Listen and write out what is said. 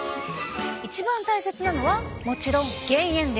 一番大切なのはもちろん減塩です。